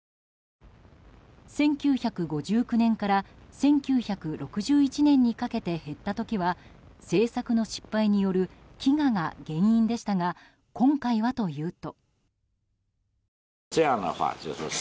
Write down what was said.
１９５９年から１９６１年にかけて減った時は政策の失敗による飢餓が原因でしたが今回はというと。